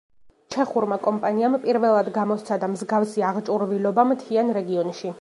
ჩეხურმა კომპანიამ პირველად გამოსცადა მსგავსი აღჭურვილობა მთიან რეგიონში.